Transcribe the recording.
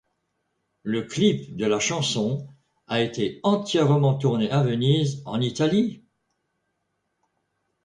Le clip de la chanson a été entièrement tourné à Venise, en Italie.